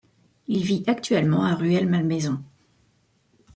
Il vit actuellement à Rueil-Malmaison.